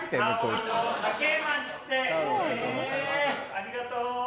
ありがとう。